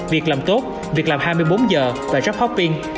việc làm tốt việc làm hai mươi bốn h và job hopping